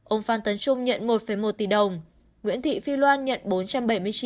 ông phan tấn trung nhận một một tỷ đồng nguyễn thị phi loan nhận bốn trăm bảy mươi chín